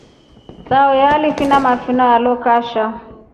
Sahuyo alefine mafina alo kashaa.